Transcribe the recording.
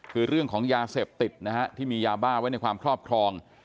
คือเรื่องของยาเสพติดนะฮะที่มียาบ้าไว้ในความครอบครอง